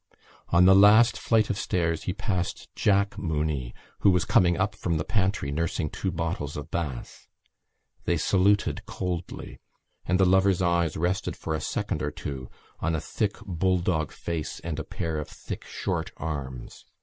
On the last flight of stairs he passed Jack Mooney who was coming up from the pantry nursing two bottles of Bass. They saluted coldly; and the lover's eyes rested for a second or two on a thick bulldog face and a pair of thick short arms.